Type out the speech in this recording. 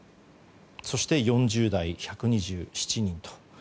そして４０代、１２７人と。